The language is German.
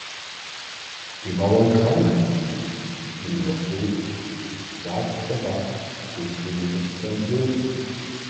Die Bauern krank, die Müller tot, sagt wer backt dem König jetzt sein Brot?